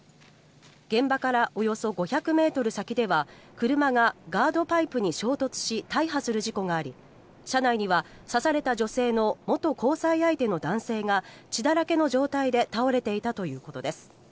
現場からおよそ５００ｍ先では車がガードパイプに衝突し大破する事故があり車内には、刺された女性の元交際相手の男性が血だらけの状態で倒れていたということです。